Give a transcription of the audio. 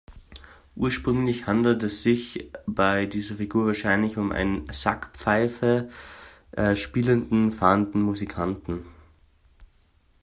Ursprünglich handelte es sich bei dieser Figur wahrscheinlich um einen Sackpfeife spielenden, fahrenden Musikanten.